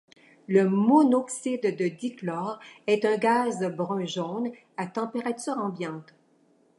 Le monoxyde de dichlore est un gaz brun-jaune à température ambiante.